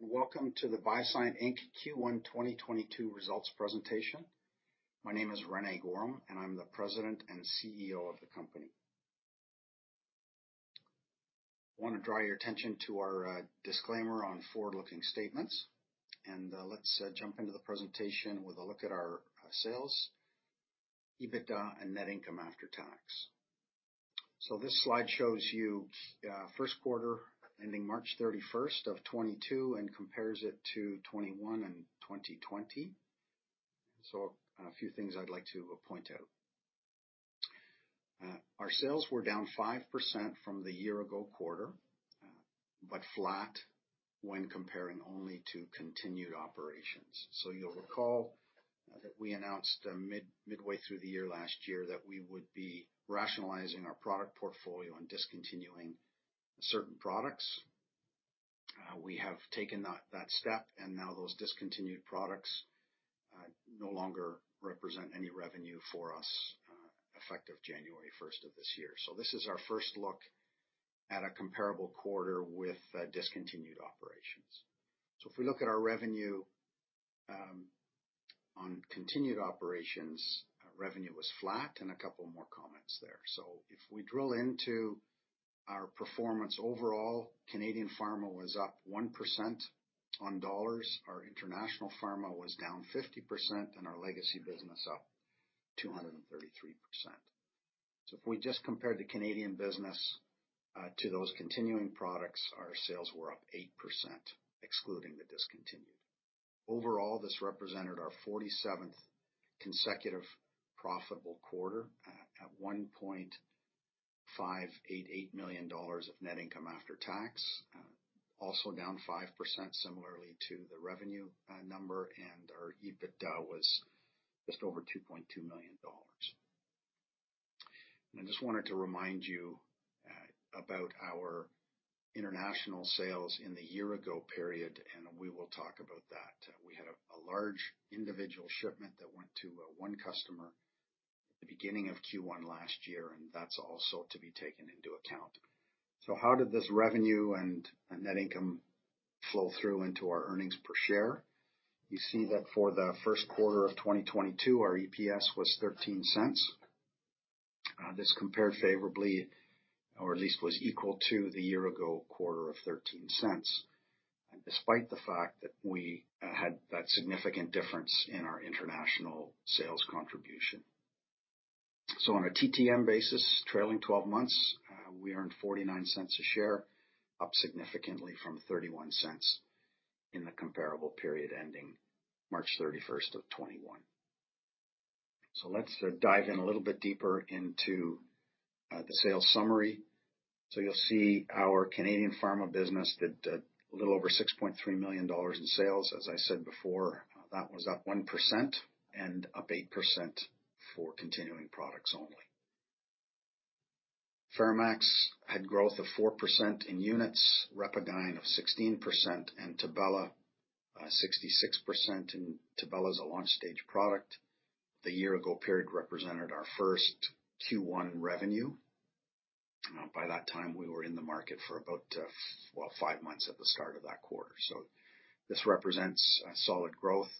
Hello, and welcome to the BioSyent Inc. Q1 2022 results presentation. My name is René Goehrum, and I'm the President and CEO of the company. I wanna draw your attention to our disclaimer on forward-looking statements, and let's jump into the presentation with a look at our sales, EBITDA, and net income after tax. This slide shows you first quarter ending March 31, 2022 and compares it to 2021 and 2020. A few things I'd like to point out. Our sales were down 5% from the year ago quarter, but flat when comparing only to continued operations. You'll recall that we announced midway through the year last year that we would be rationalizing our product portfolio and discontinuing certain products. We have taken that step, and now those discontinued products no longer represent any revenue for us effective January first of this year. This is our first look at a comparable quarter with discontinued operations. If we look at our revenue on continuing operations, revenue was flat and a couple more comments there. If we drill into our performance overall, Canadian pharma was up 1% on dollars. Our international pharma was down 50%, and our legacy business up 233%. If we just compare the Canadian business to those continuing products, our sales were up 8%, excluding the discontinued. Overall, this represented our 47th consecutive profitable quarter at 1.588 million dollars of net income after tax. Also down 5% similarly to the revenue number, and our EBITDA was just over 2.2 million dollars. I just wanted to remind you about our international sales in the year ago period, and we will talk about that. We had a large individual shipment that went to one customer at the beginning of Q1 last year, and that's also to be taken into account. How did this revenue and net income flow through into our earnings per share? You see that for the first quarter of 2022, our EPS was 0.13. This compared favorably or at least was equal to the year ago quarter of 0.13, and despite the fact that we had that significant difference in our international sales contribution. On a TTM basis, trailing twelve months, we earned 0.49 a share, up significantly from 0.31 in the comparable period ending March 31, 2021. Let's dive in a little bit deeper into the sales summary. You'll see our Canadian pharma business did a little over 6.3 million dollars in sales. As I said before, that was up 1% and up 8% for continuing products only. FeraMAX had growth of 4% in units, RepaGyn of 16%, and Tibella 66%. Tibella is a launch stage product. The year ago period represented our first Q1 revenue. By that time, we were in the market for about, well, 5 months at the start of that quarter. This represents a solid growth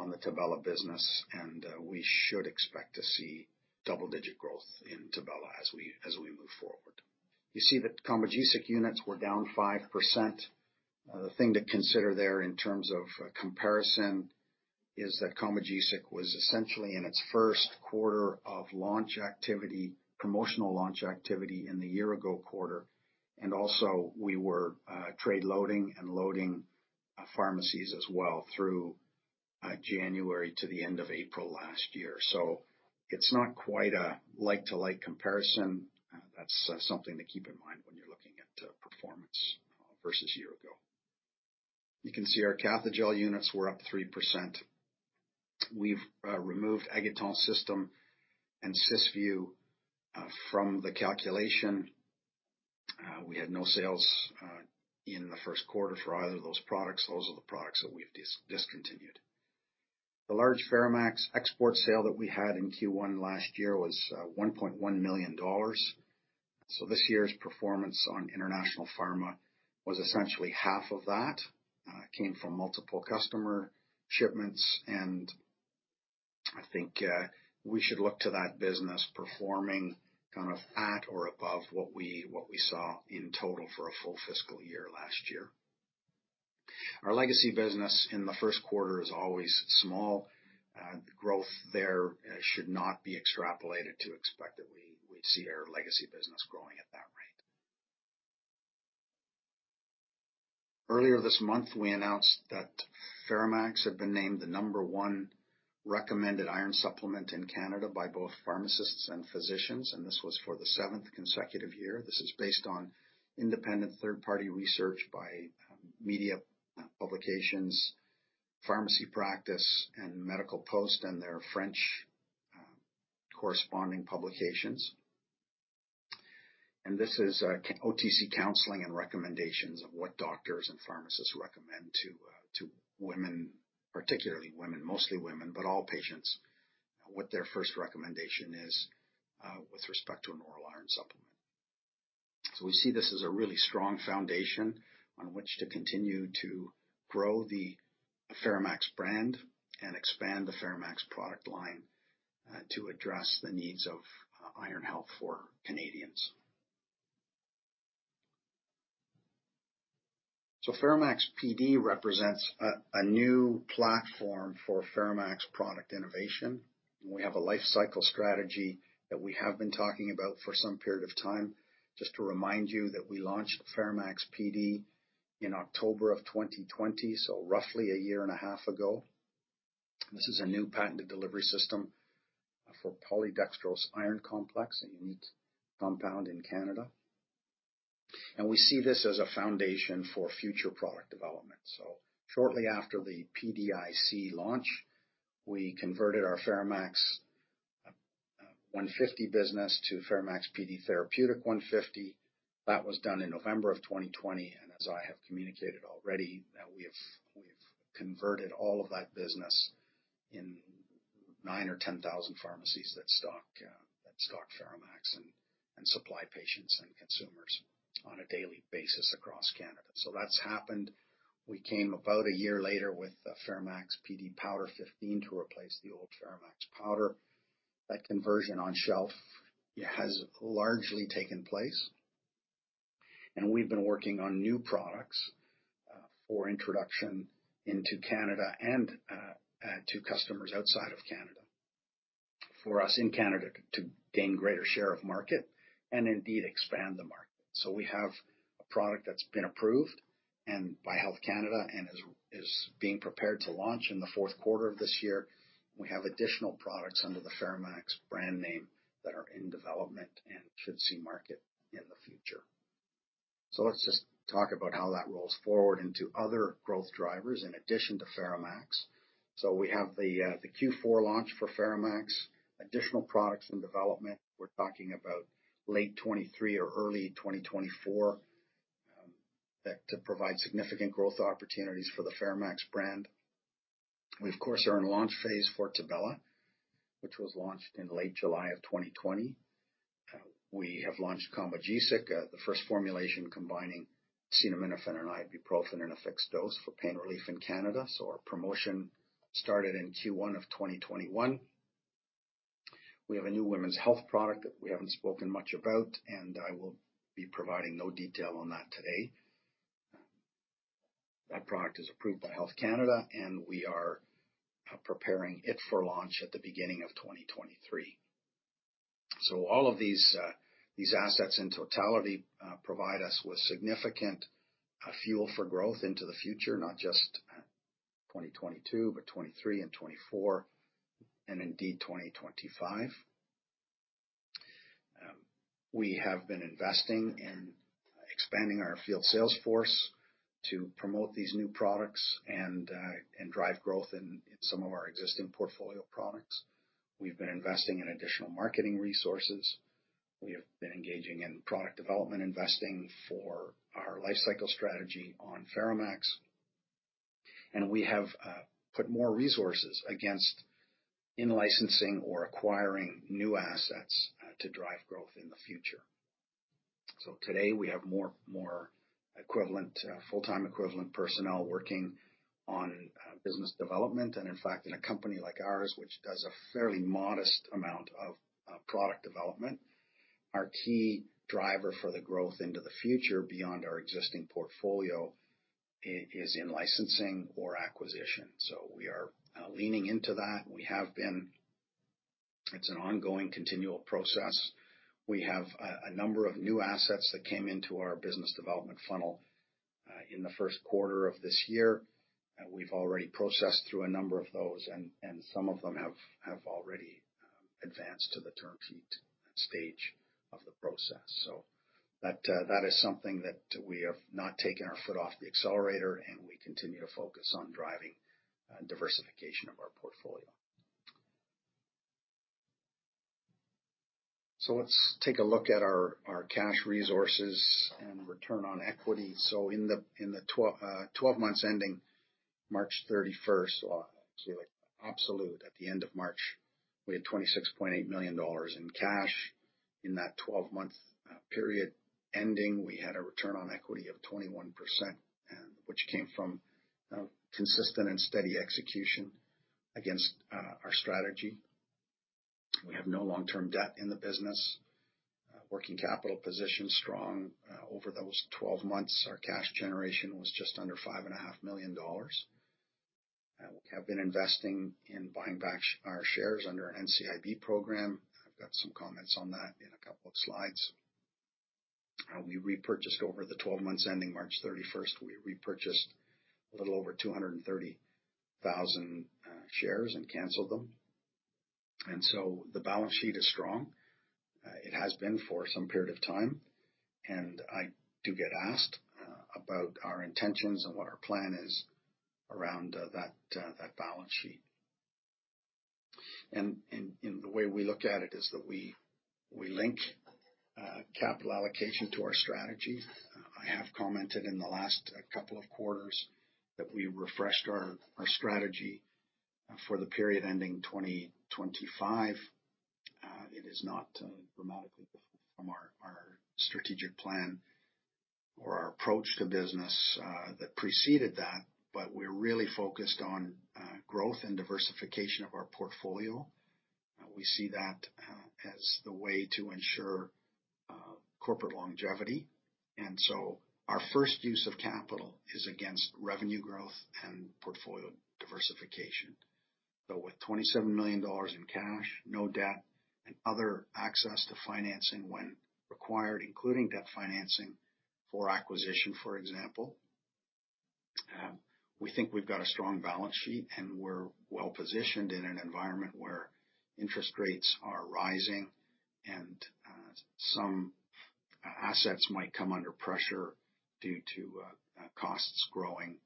on the Tibella business, and we should expect to see double-digit growth in Tibella as we move forward. You see that Combogesic units were down 5%. The thing to consider there in terms of comparison is that Combogesic was essentially in its first quarter of launch activity, promotional launch activity in the year ago quarter. We were trade loading pharmacies as well through January to the end of April last year. It's not quite a like-to-like comparison. That's something to keep in mind when you're looking at performance versus year ago. You can see our Cathejell units were up 3%. We've removed AGATON System and Sysview from the calculation. We had no sales in the first quarter for either of those products. Those are the products that we've discontinued. The large FeraMAX export sale that we had in Q1 last year was 1.1 million dollars. This year's performance on international pharma was essentially half of that. It came from multiple customer shipments, and I think we should look to that business performing kind of at or above what we saw in total for a full fiscal year last year. Our legacy business in the first quarter is always small. The growth there should not be extrapolated to expect that we would see our legacy business growing at that rate. Earlier this month, we announced that FeraMAX had been named the number one recommended iron supplement in Canada by both pharmacists and physicians, and this was for the seventh consecutive year. This is based on independent third-party research by media publications, Pharmacy Practice and The Medical Post and their French corresponding publications. This is OTC counseling and recommendations of what doctors and pharmacists recommend to women, particularly women, mostly women, but all patients. What their first recommendation is with respect to an oral iron supplement. We see this as a really strong foundation on which to continue to grow the FeraMAX brand and expand the FeraMAX product line to address the needs of iron health for Canadians. FeraMAX Pd represents a new platform for FeraMAX product innovation. We have a life cycle strategy that we have been talking about for some period of time. Just to remind you that we launched FeraMAX Pd in October 2020, so roughly a year and a half ago. This is a new patented delivery system for Polydextrose Iron Complex, a unique compound in Canada. We see this as a foundation for future product development. Shortly after the PDIC launch, we converted our FeraMAX 150 business to FeraMAX Pd Therapeutic 150. That was done in November 2020. As I have communicated already, we've converted all of that business in 9,000 or 10,000 pharmacies that stock FeraMAX and supply patients and consumers on a daily basis across Canada. That's happened. We came about a year later with the FeraMAX Pd Powder 15 to replace the old FeraMAX powder. That conversion on shelf has largely taken place, and we've been working on new products for introduction into Canada and to customers outside of Canada. For us in Canada to gain greater share of market and indeed expand the market. We have a product that's been approved and by Health Canada and is being prepared to launch in the fourth quarter of this year. We have additional products under the FeraMAX brand name that are in development and should see market in the future. Let's just talk about how that rolls forward into other growth drivers in addition to FeraMAX. We have the Q4 launch for FeraMAX, additional products in development. We're talking about late 2023 or early 2024, that to provide significant growth opportunities for the FeraMAX brand. We, of course, are in launch phase for Tibella, which was launched in late July of 2020. We have launched Combogesic, the first formulation combining acetaminophen and ibuprofen in a fixed dose for pain relief in Canada. Our promotion started in Q1 of 2021. We have a new women's health product that we haven't spoken much about, and I will be providing no detail on that today. That product is approved by Health Canada, and we are preparing it for launch at the beginning of 2023. All of these assets in totality provide us with significant fuel for growth into the future, not just 2022, but 2023 and 2024 and indeed, 2025. We have been investing in expanding our field sales force to promote these new products and drive growth in some of our existing portfolio products. We've been investing in additional marketing resources. We have been engaging in product development investing for our life cycle strategy on FeraMAX. We have put more resources against in-licensing or acquiring new assets to drive growth in the future. Today, we have more equivalent full-time equivalent personnel working on business development. In fact, in a company like ours, which does a fairly modest amount of product development, our key driver for the growth into the future beyond our existing portfolio is in licensing or acquisition. We are leaning into that. We have been. It's an ongoing continual process. We have a number of new assets that came into our business development funnel in the first quarter of this year. We've already processed through a number of those, and some of them have already advanced to the term sheet stage of the process. That is something that we have not taken our foot off the accelerator, and we continue to focus on driving diversification of our portfolio. Let's take a look at our cash resources and return on equity. In the 12 months ending March thirty-first, actually like absolute at the end of March, we had 26.8 million dollars in cash. In that 12-month period ending, we had a return on equity of 21%, and which came from consistent and steady execution against our strategy. We have no long-term debt in the business. Working capital position strong. Over those 12 months, our cash generation was just under 5 and a half million CAD. We have been investing in buying back our shares under an NCIB program. I've got some comments on that in a couple of slides. We repurchased over the 12 months ending March 31. We repurchased a little over 230,000 shares and canceled them. The balance sheet is strong. It has been for some period of time. I do get asked about our intentions and what our plan is around that balance sheet. The way we look at it is that we link capital allocation to our strategy. I have commented in the last couple of quarters that we refreshed our strategy for the period ending 2025. It is not dramatically different from our strategic plan or our approach to business that preceded that, but we're really focused on growth and diversification of our portfolio. We see that as the way to ensure corporate longevity. Our first use of capital is against revenue growth and portfolio diversification. With 27 million dollars in cash, no debt, and other access to financing when required, including debt financing for acquisition, for example, we think we've got a strong balance sheet, and we're well-positioned in an environment where interest rates are rising and some assets might come under pressure due to costs growing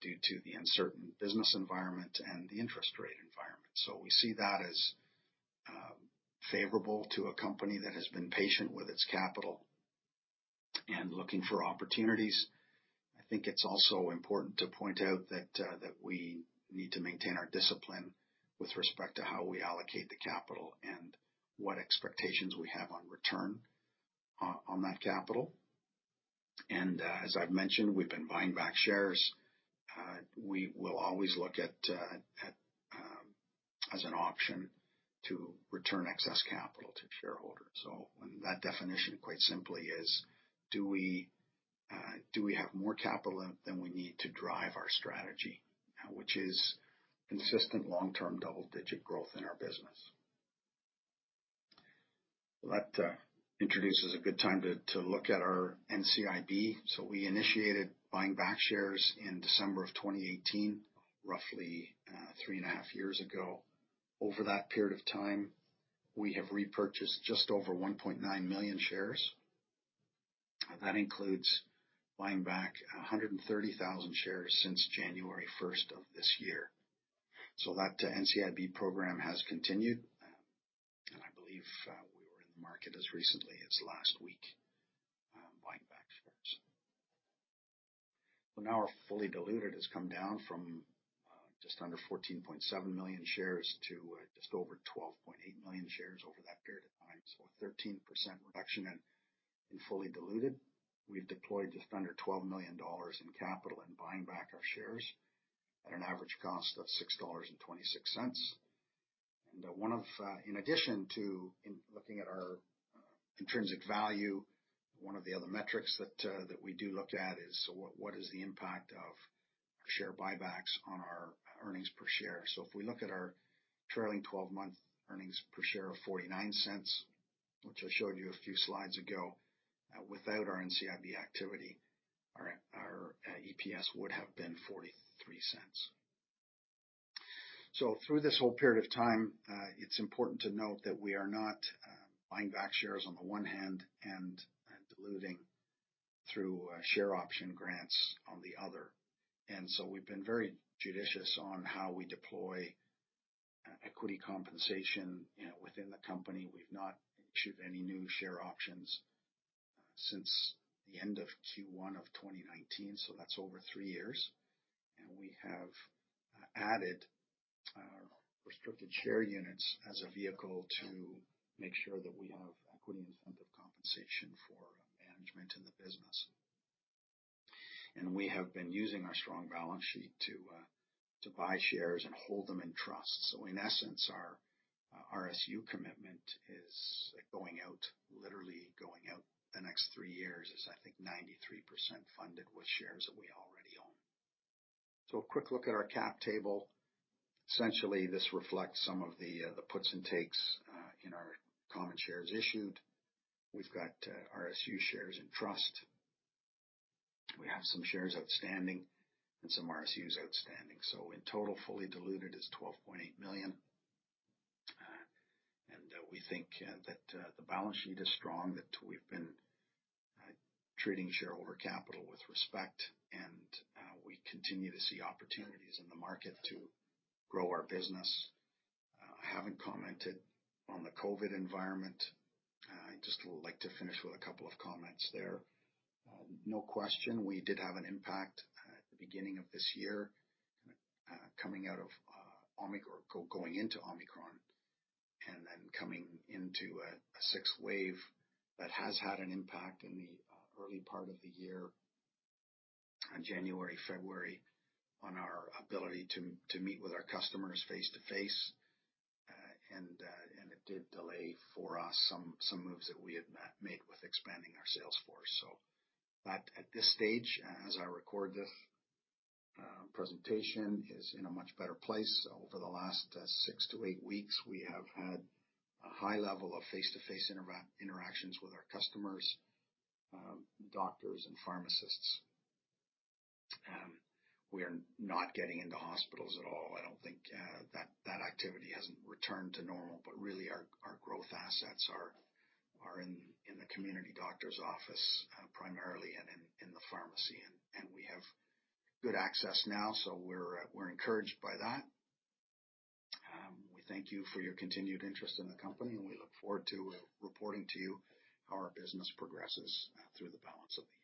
due to the uncertain business environment and the interest rate environment. We see that as favorable to a company that has been patient with its capital and looking for opportunities. I think it's also important to point out that we need to maintain our discipline with respect to how we allocate the capital and what expectations we have on return on that capital. As I've mentioned, we've been buying back shares. We will always look at as an option to return excess capital to shareholders. That definition, quite simply, is do we have more capital than we need to drive our strategy, which is consistent long-term double-digit growth in our business? That introduces a good time to look at our NCIB. We initiated buying back shares in December of 2018, roughly three and a half years ago. Over that period of time, we have repurchased just over 1.9 million shares. That includes buying back 130,000 shares since January first of this year. That NCIB program has continued. I believe we were in the market as recently as last week, buying back shares. Now our fully diluted has come down from just under 14.7 million shares to just over 12.8 million shares over that period of time. A 13% reduction in fully diluted. We've deployed just under 12 million dollars in capital in buying back our shares at an average cost of 6.26 dollars. One of, in addition to looking at our intrinsic value, one of the other metrics that we do look at is what is the impact of share buybacks on our earnings per share. If we look at our trailing twelve-month earnings per share of 0.49, which I showed you a few slides ago, without our NCIB activity, our EPS would have been 0.43. Through this whole period of time, it's important to note that we are not buying back shares on the one hand and diluting through share option grants on the other. We've been very judicious on how we deploy equity compensation within the company. We've not issued any new share options since the end of Q1 of 2019, so that's over three years. We have added restricted share units as a vehicle to make sure that we have equity incentive compensation for management in the business. We have been using our strong balance sheet to buy shares and hold them in trust. In essence, our RSU commitment is going out, literally going out the next three years is I think 93% funded with shares that we already own. A quick look at our cap table. Essentially, this reflects some of the puts and takes in our common shares issued. We've got RSU shares in trust. We have some shares outstanding and some RSUs outstanding. In total, fully diluted is 12.8 million. We think that the balance sheet is strong, that we've been treating shareholder capital with respect, and we continue to see opportunities in the market to grow our business. I haven't commented on the COVID environment. I just would like to finish with a couple of comments there. No question, we did have an impact at the beginning of this year, coming out of Omicron or going into Omicron and then coming into a sixth wave. That has had an impact in the early part of the year, on January, February, on our ability to meet with our customers face-to-face. It did delay for us some moves that we had made with expanding our sales force. At this stage, as I record this presentation, is in a much better place. Over the last 6-8 weeks, we have had a high level of face-to-face interactions with our customers, doctors and pharmacists. We are not getting into hospitals at all. I don't think that activity hasn't returned to normal, but really our growth assets are in the community doctor's office primarily and in the pharmacy. We have good access now, so we're encouraged by that. We thank you for your continued interest in the company, and we look forward to reporting to you how our business progresses through the balance of the year.